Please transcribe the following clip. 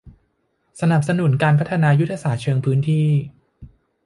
สนับสนุนการพัฒนายุทธศาสตร์เชิงพื้นที่